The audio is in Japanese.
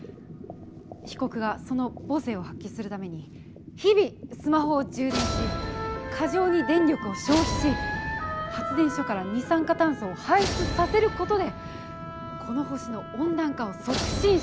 被告がその母性を発揮するために日々スマホを充電し過剰に電力を消費し発電所から二酸化炭素を排出させることでこの星の温暖化を促進しています。